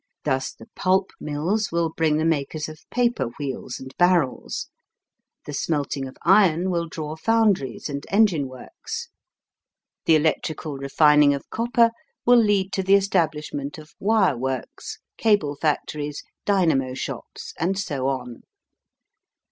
Thus, the pulp mills will bring the makers of paper wheels and barrels; the smelting of iron will draw foundries and engine works; the electrical refining of copper will lead to the establishment of wire works, cable factories, dynamo shops, and so on.